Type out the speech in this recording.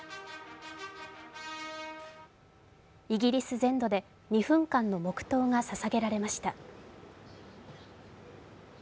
イギリス全土で２分間の黙とうがささげられました。